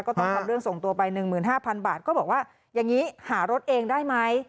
ก็ต้องทำเรื่องส่งตัวไปหนึ่งหมื่นห้าพันบาทก็บอกว่าอย่างงี้หารถเองได้ไหม